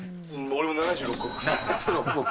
俺も７６億。